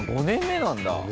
５年目なんだ。